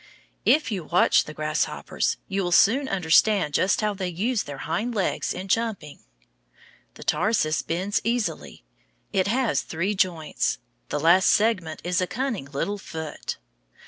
If you watch the grasshoppers, you will soon understand just how they use their hind legs in jumping. The tarsus bends easily. It has three joints. The last segment is a cunning little foot.